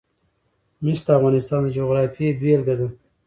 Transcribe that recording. مس د افغانستان د جغرافیې بېلګه ده.